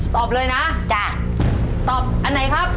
ตอบเลยนะจ้ะตอบอันไหนครับ